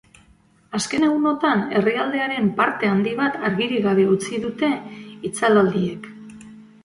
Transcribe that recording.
Azken egunotan herrialdearen parte handi bat argirik gabe utzi dute itzalaldiek.